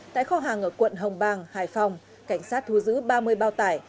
tại kho hàng ở quận hồng bàng hải phòng cảnh sát thu giữ ba mươi bao tải